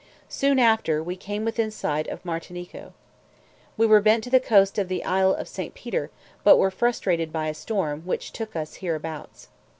Soon after, we came within sight of Martinico. We were bent to the coast of the isle of St. Peter, but were frustrated by a storm, which took us hereabouts.